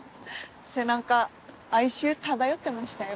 背中哀愁漂ってましたよ。